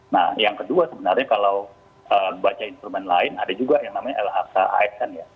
nah yang kedua sebenarnya kalau baca instrumen lain ada juga yang namanya lhk asn ya